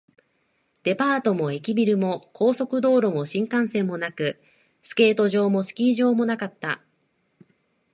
デパートも駅ビルも、高速道路も新幹線もなく、スケート場もスキー場もなかった